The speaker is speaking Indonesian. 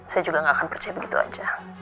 saya juga gak akan percaya begitu aja